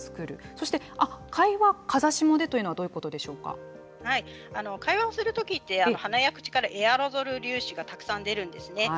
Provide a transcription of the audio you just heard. そして会話は風下でというのは会話をするときって鼻や口からエアロゾル粒子がたくさん出るんですね。